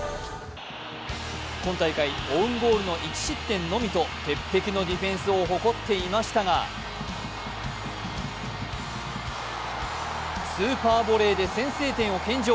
今大会、オウンゴールの１失点のみと鉄壁のディフェンスを誇っていましたがスーパーボレーで先制点を献上。